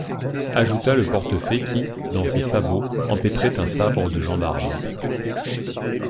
Ajouta le portefaix qui, dans ses sabots, empêtrait un sabre de gendarme.